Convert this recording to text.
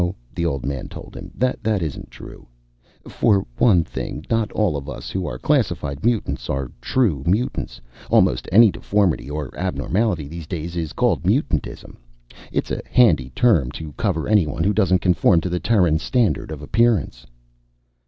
"No," the old man told him, "that isn't true. For one thing, not all of us who are classified mutants are true mutants. Almost any deformity or abnormality these days is called mutantism. It's a handy term to cover anyone who doesn't conform to the Terran standard of appearance."